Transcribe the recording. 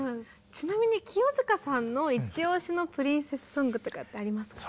ちなみに清塚さんの一押しのプリンセスソングとかってありますか？